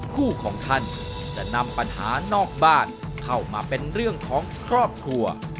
คู่ของท่านจะนำปัญหานอกบ้านเข้ามาเป็นเรื่องของครอบครัว